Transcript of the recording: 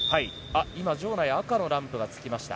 今、場内赤のランプがつきました。